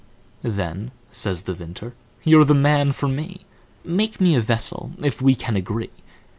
"Then," says the Vintner, "you're the man for me, Make me a vessel, if we can agree.